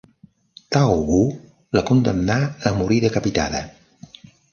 Tao Wu la condemnà a morir decapitada.